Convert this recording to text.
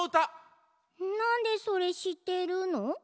なんでそれしってるの？